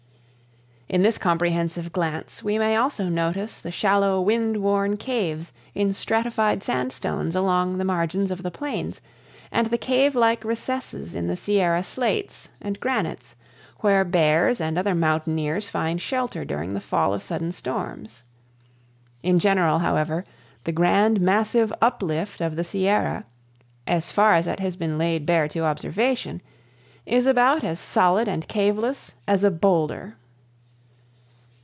In this comprehensive glance we may also notice the shallow wind worn caves in stratified sandstones along the margins of the plains; and the cave like recesses in the Sierra slates and granites, where bears and other mountaineers find shelter during the fall of sudden storms. In general, however, the grand massive uplift of the Sierra, as far as it has been laid bare to observation, is about as solid and caveless as a boulder.